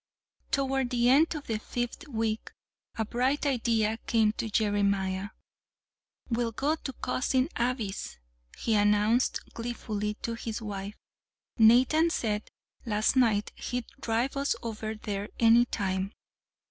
Toward the end of the fifth week a bright idea came to Jeremiah. "We'll go to Cousin Abby's," he announced gleefully to his wife. "Nathan said last night he'd drive us over there any time.